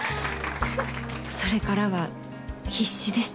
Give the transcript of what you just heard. それからは必死でした。